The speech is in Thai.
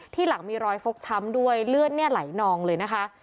หลังมีรอยฟกช้ำด้วยเลือดเนี่ยไหลนองเลยนะคะ